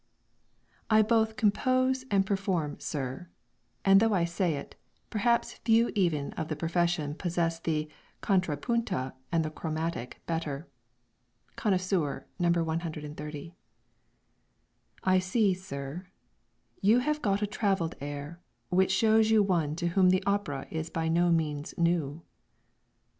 "I both compose and perform Sir: and though I say it, perhaps few even of the profession possess the contra punto and the chromatic better." CONNOISSEUR. No. 130. "I see, Sir you Have got a travell'd air, which shows you one To whom the opera is by no means new." BYRON. PHYSIOLOGY OF THE OPERA.